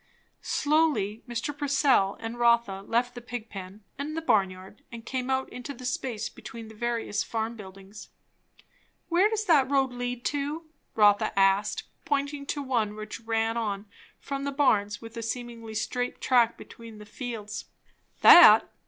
Slowly Mr. Purcell and Rotha left the pig pen and the barnyard and came out into the space between the various farm buildings. "Where does that road lead to?" Rotha asked, pointing to one which ran on from the barns with a seemingly straight track between fields. "That?